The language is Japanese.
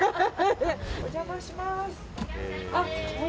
お邪魔します。